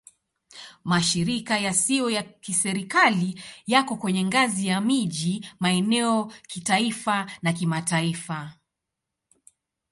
Mashirika yasiyo ya Kiserikali yako kwenye ngazi ya miji, maeneo, kitaifa na kimataifa.